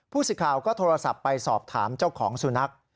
สิทธิ์ข่าวก็โทรศัพท์ไปสอบถามเจ้าของสุนัข